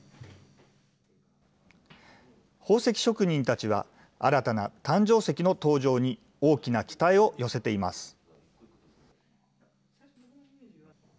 宝石職人たちは、新たな誕生石の登場に、大きな期待を寄せています。